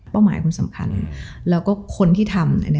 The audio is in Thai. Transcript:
หมายคุณสำคัญแล้วก็คนที่ทำ